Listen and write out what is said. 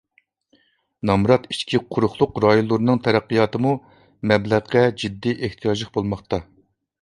نامرات ئىچكى قۇرۇقلۇق رايونلىرىنىڭ تەرەققىياتىمۇ مەبلەغقە جىددىي ئېھتىياجلىق بولماقتا.